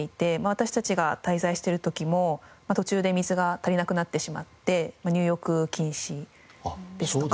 私たちが滞在してる時も途中で水が足りなくなってしまって入浴禁止ですとか。